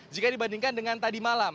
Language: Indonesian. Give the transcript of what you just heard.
jika dibandingkan dengan tadi malam